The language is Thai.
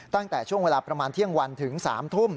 ตั้งแต่ช่วงเวลาประมาณเที่ยงวันถึง๓ทุ่ม